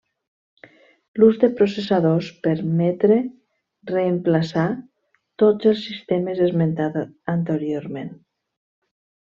L'ús de processadors permetre reemplaçar tots els sistemes esmentats anteriorment.